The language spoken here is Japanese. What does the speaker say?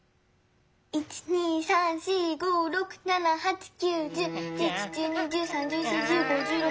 １２３４５６７８９１０１１１２１３１４１５１６。